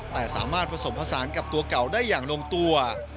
แต่สามารถผสมผสานกับตัวเก่าได้อย่างลงตัว